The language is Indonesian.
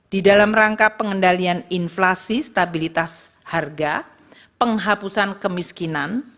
di dalam rangka pengendalian inflasi stabilitas harga penghapusan kemiskinan